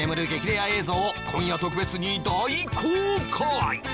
レア映像を今夜特別に大公開